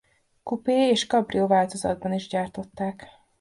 Coupé és kabrió változatban is gyártották.